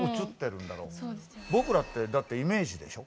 僕らってだってイメージでしょ？